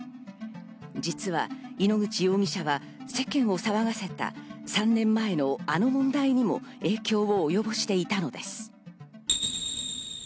実は井ノ口容疑者は世間を騒がせた３年前のあの問題にも影響を及ぼしていたのです。